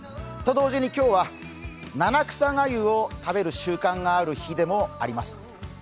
と同時に今日は七草がゆを食べる習慣がある日です。